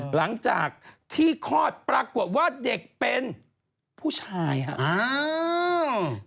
หลังจากที่คลอดปรากฏว่าเด็กเป็นผู้ชายครับ